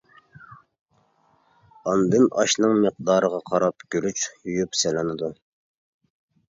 ئاندىن ئاشنىڭ مىقدارىغا قاراپ، گۈرۈچ يۇيۇپ سېلىنىدۇ.